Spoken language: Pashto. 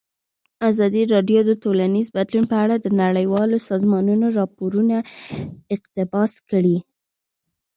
ازادي راډیو د ټولنیز بدلون په اړه د نړیوالو سازمانونو راپورونه اقتباس کړي.